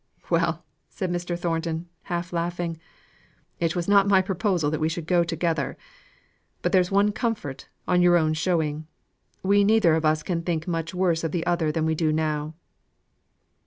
"Well!" said Mr. Thornton, half laughing, "it was not my proposal that we should go together. But there's one comfort on your own showing. We neither of us can think much worse of the other than we do now."